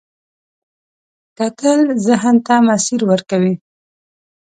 کتل ذهن ته مسیر ورکوي